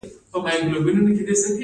د بادغیس په بالامرغاب کې د ګاز نښې شته.